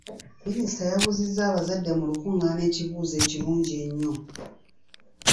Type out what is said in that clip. Minisita yabuuzizza abaabdde mu lukungaana ekibuuzo ekirungi ennyo.